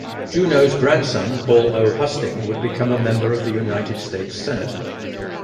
Juneau's grandson Paul O. Husting would become a member of the United States Senate.